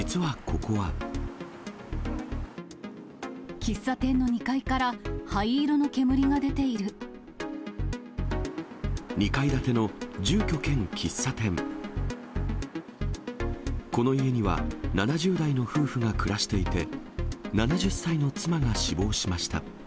この家には、７０代の夫婦が暮らしていて、７０歳の妻が死亡しました。